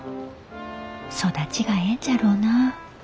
育ちがえんじゃろうなあ。